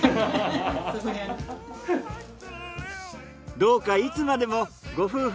どうかいつまでもご夫婦